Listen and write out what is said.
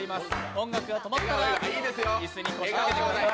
音楽が止まったら椅子に腰掛けてください。